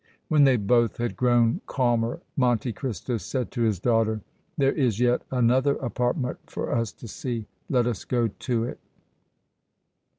When they both had grown calmer, Monte Cristo said to his daughter: "There is yet another apartment for us to see. Let us go to it."